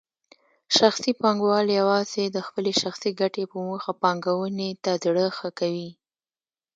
شخصي پانګوال یوازې د خپلې شخصي ګټې په موخه پانګونې ته زړه ښه کوي.